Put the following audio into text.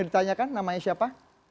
ditanyakan namanya siapa